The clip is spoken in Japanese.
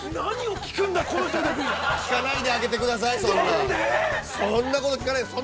聞かないであげてください、そんなん。